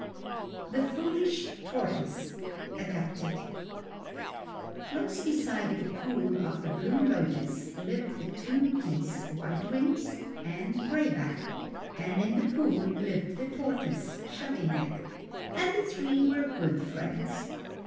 THE FOOLISH TORTOISE (Adapted) Close beside the Pool of the Blue Lotus lived the two geese White Wings and Gray Back, and in the pool lived the tortoise Shelly Neck, and the three were good friends.